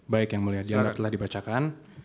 baik yang mulia dianggap telah dibacakan